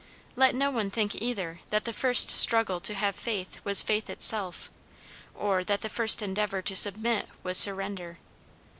Let no one think, either, that the first struggle to have faith was faith itself, or that the first endeavour to submit was surrender.